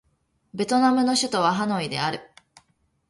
ベトナムの首都はハノイである